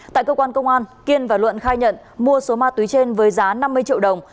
tại cơ quan công an kiên và luận khai nhận mua số ma túy trên với giá năm mươi triệu đồng